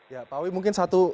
ya pak wi mungkin satu